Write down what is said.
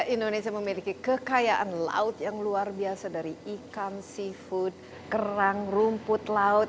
indonesia memiliki kekayaan laut yang luar biasa dari ikan seafood kerang rumput laut